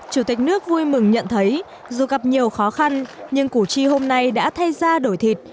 chủ tịch nước vui mừng nhận thấy dù gặp nhiều khó khăn nhưng củ chi hôm nay đã thay ra đổi thịt